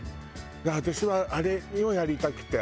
私はあれをやりたくて。